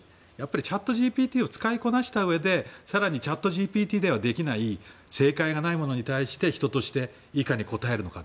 チャットＧＰＴを使いこなしたうえで更にチャットＧＰＴではできない正解がないものに対して人としていかに答えるのか。